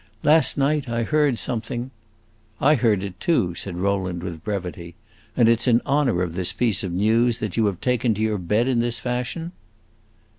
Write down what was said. Last night I heard something" "I heard it, too," said Rowland with brevity. "And it 's in honor of this piece of news that you have taken to your bed in this fashion?"